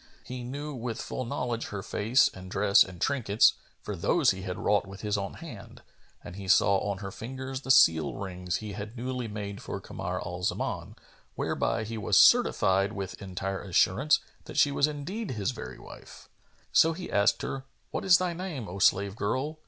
He knew with full knowledge her face and dress and trinkets, for those he had wrought with his own hand, and he saw on her fingers the seal rings he had newly made for Kamar al Zaman, whereby he was certified with entire assurance that she was indeed his very wife. So he asked her, "What is thy name, O slave girl?"